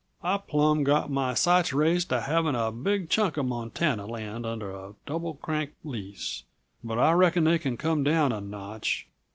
"I'd plumb got my sights raised to having a big chunk uh Montana land under a Double Crank lease, but I reckon they can come down a notch.